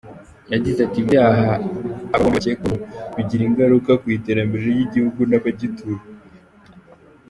Yagize ati, "Ibyaha aba bombi bakekwaho bigira ingaruka ku iterambere ry’igihugu n’abagituye.